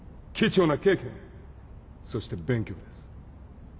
そして勉強です。